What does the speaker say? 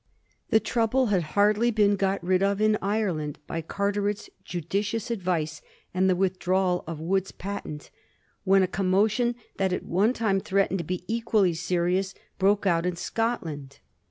The trouble had hardly been got rid of in Ireland by Carteret's judicious advice and the withdrawal of Wood's patent when a commotion that at one time threatened to be equally serious broke out in Scot land.